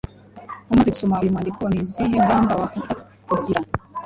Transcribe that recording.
Umaze gusoma uyu mwandiko ni izihe ngamba wafata kugira